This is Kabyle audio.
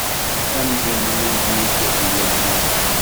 Amzun yuli-d di lemnam.